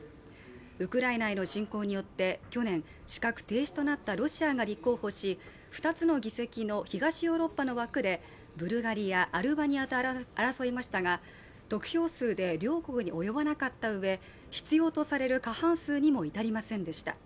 ウクライナへの侵攻によって去年、資格停止となったロシアが立候補し、２つの議席の東ヨーロッパの枠でブルガリア、アルバニアと争いましたが得票数で両国に及ばなかったうえ、必要とされる過半数にも至りませんでした。